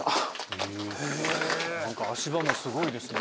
足場もすごいですね。